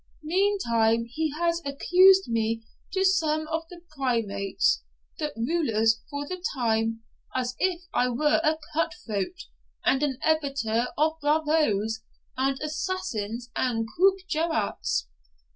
Mean time, he has accused me to some of the primates, the rulers for the time, as if I were a cut throat, and an abettor of bravoes and assassinates and coupe jarrets.